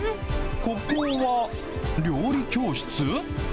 ここは料理教室？